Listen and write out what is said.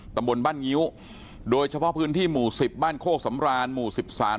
ตำบลบ้านงิ้วโดยเฉพาะพื้นที่หมู่สิบบ้านโคกสำรานหมู่สิบสาม